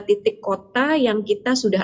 titik kota yang kita sudah